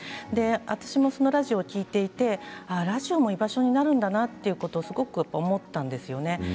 私もラジオを聞いていてラジオも居場所になるんだなとすごく思ったんですね。